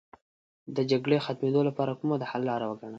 د جګړې ختمېدو لپاره کومه د حل لاره وګڼله.